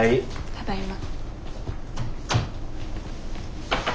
ただいま。